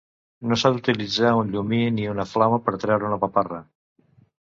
No s'ha d'utilitzar un llumí ni una flama per treure una paparra.